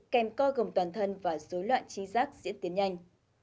kèm co gồng toàn thân và dối loạn chi giác diễn tiến nhanh